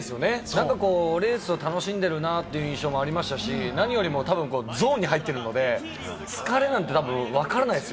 なんかレースを楽しんでるなという印象もありましたけれども、何よりもこう、ゾーンに入ってるので、疲れなんてたぶんわからないです。